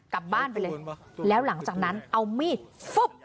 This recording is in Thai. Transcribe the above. กลับบ้านไปเลยแล้วหลังจากนั้นเอามีดฟึ๊บ